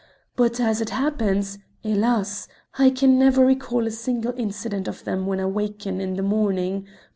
But as it happens, helas! I can never recall a single incident of them when I waken in the morning.